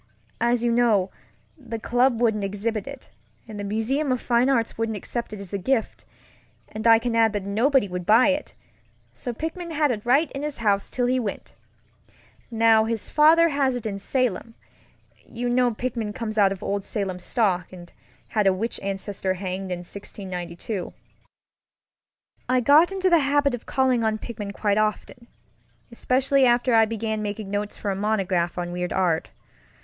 As you know, the club wouldn't exhibit it, and the Museum of Fine Arts wouldn't accept it as a gift; and I can add that nobody would buy it, so Pickman had it right in his house till he went. Now his father has it in SalemŌĆöyou know Pickman comes of old Salem stock, and had a witch ancestor hanged in 1692. I got into the habit of calling on Pickman quite often, especially after I began making notes for a monograph on weird art.